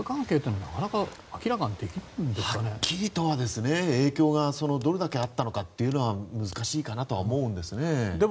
はっきりとは影響がどれだけあったのかは難しいかなと思うんですね。